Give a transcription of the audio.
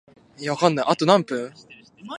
あと何分？